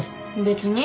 別に。